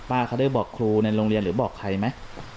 เขาได้บอกครูในโรงเรียนหรือบอกใครไหม